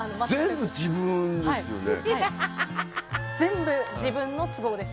全部、自分ですよね。